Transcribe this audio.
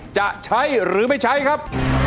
จะใช้หรือไม่ใช้ครับ